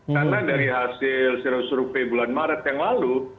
karena dari hasil rp seratus bulan maret yang lalu